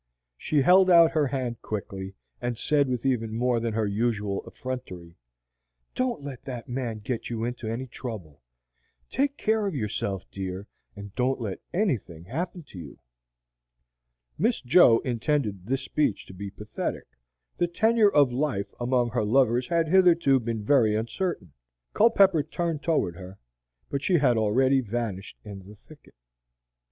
She held out her hand quickly, and said with even more than her usual effrontery, "Don't let that man get you into any trouble. Take care of yourself, dear, and don't let anything happen to you." Miss Jo intended this speech to be pathetic; the tenure of life among her lovers had hitherto been very uncertain. Culpepper turned toward her, but she had already vanished in the thicket.